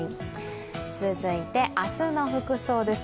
続いて明日の服装です。